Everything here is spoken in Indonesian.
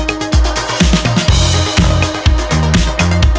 tak ada tanaman sih